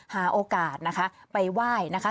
หาโอกาสนะคะไปไหว้นะคะ